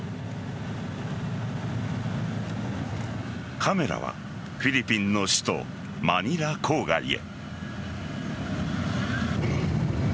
カメラはフィリピンの首都・マニラ郊外へ。